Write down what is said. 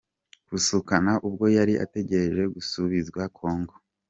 Kusukana ubwo yari ategereje gusubizwa Congo.